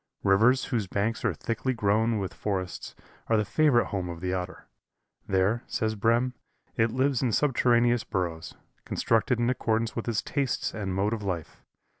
Rivers whose banks are thickly grown with forests are the favorite home of the Otter. There, says Brehm, it lives in subterraneous burrows, constructed in accordance with its tastes and mode of life.